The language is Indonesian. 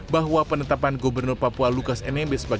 bahwa penetapan gubernur papua lukas nmb sebagai